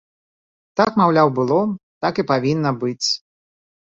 Так, маўляў, было, так і павінна быць.